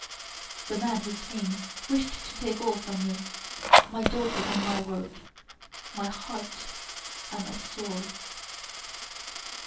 The man who came wished to take all from me, my daughter and my work my heart and my soul."